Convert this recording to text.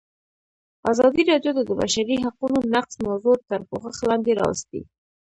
ازادي راډیو د د بشري حقونو نقض موضوع تر پوښښ لاندې راوستې.